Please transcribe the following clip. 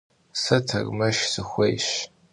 Se termeşş sıxuêyş.